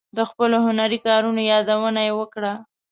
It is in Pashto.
د خپلو هنري کارونو یادونه یې وکړه.